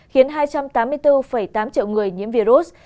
khiến hai trăm tám mươi bốn tám triệu người nhiễm virus